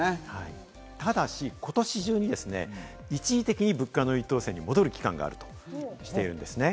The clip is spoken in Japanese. ただし、今年中に一時的に物価の優等生に戻る期間があるとしているんです。